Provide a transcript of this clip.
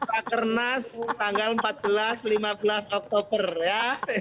rakan nas tanggal empat belas lima belas oktober ya